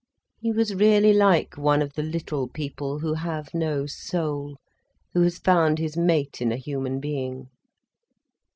He was really like one of the "little people' who have no soul, who has found his mate in a human being.